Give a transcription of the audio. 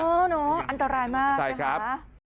อ๋ออันตรายมากนะคะใช่ครับใช่ครับ